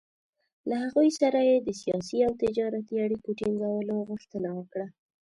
له هغوی سره یې د سیاسي او تجارتي اړیکو ټینګولو غوښتنه وکړه.